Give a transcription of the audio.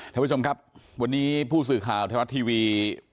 ท่านผู้ชมครับวันนี้ผู้สื่อข่าวไทยรัฐทีวี